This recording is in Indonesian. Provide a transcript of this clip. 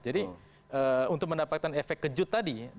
jadi untuk mendapatkan efek kejut tadi